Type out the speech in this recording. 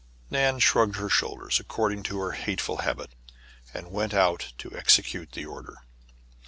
Nan shrugged her shoulders, according to her very hateful habit, and went out to execute the order.